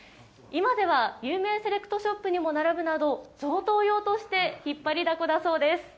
今では有名セレクトショップにも並ぶなど、贈答用として引っ張りだこだそうです。